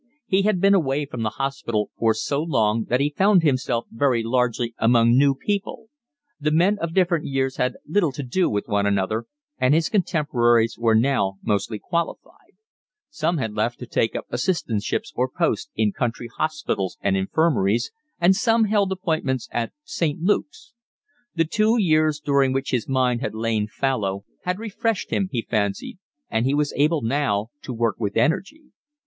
He had been away from the hospital for so long that he found himself very largely among new people; the men of different years had little to do with one another, and his contemporaries were now mostly qualified: some had left to take up assistantships or posts in country hospitals and infirmaries, and some held appointments at St. Luke's. The two years during which his mind had lain fallow had refreshed him, he fancied, and he was able now to work with energy.